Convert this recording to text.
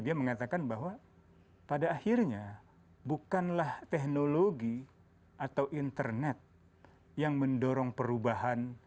dia mengatakan bahwa pada akhirnya bukanlah teknologi atau internet yang mendorong perubahan